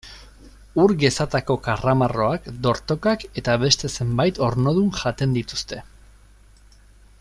Ur gezatako karramarroak, dortokak eta beste zenbait ornodun jaten dituzte.